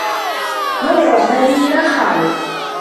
نظر سامي إلى الخارج.